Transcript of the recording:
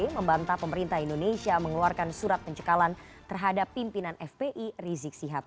membantah pemerintah indonesia mengeluarkan surat pencekalan terhadap pimpinan fpi rizik sihab